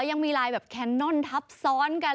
และยังมีลายแบบแสปแนนนทับซ้อนกัน